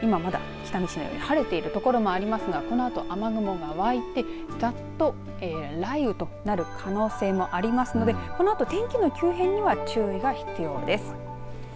今まだ北見市のように晴れてる所もありますがこのあと雨雲がわいてざっと雷雨となる可能性もありますのでこのあと天気の急変には注意が必要です。